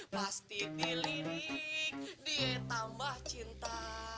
pasti dilirik dia tambah cinta